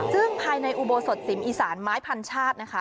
ซึ่งภายในอุโบสถสิมอีสานไม้พันชาตินะคะ